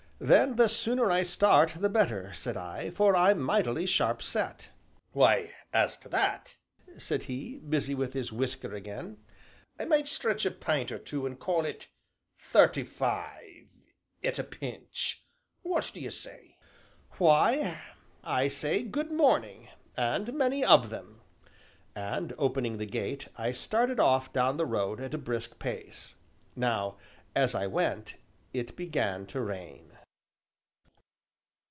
"Then the sooner I start the better," said I, "for I'm mightily sharp set." "Why, as to that," said he, busy with his whisker again, "I might stretch a pint or two an' call it thirty five, at a pinch what d'ye say?" "Why, I say 'good morning,' and many of them!" And, opening the gate, I started off down the road at a brisk pace. Now, as I went, it began to rain.